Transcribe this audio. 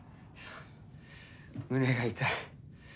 胸が痛い。